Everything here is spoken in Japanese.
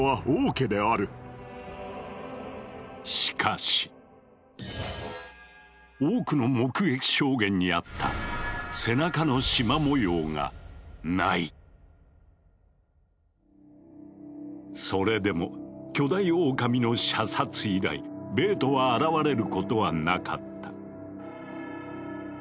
しかし多くの目撃証言にあったそれでも巨大オオカミの射殺以来ベートは現れることはなかった。